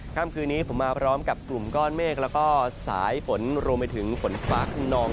ค่ำคืนนี้ผมมาพร้อมกับกลุ่มก้อนเมฆแล้วก็สายฝนรวมไปถึงฝนฟ้าขนอง